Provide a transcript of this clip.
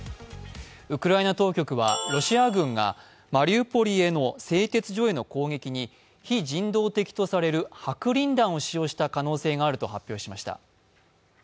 ウクライナ当局はロシア軍がマリウポリへの製鉄所への攻撃に非人道的とされる白リン弾を使用した可能性があると発表しました。